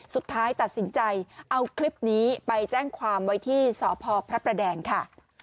สุดท้ายตัดสินใจเอาคลิปนี้ไปแจ้งความไว้ที่สพพระประแดงค่ะ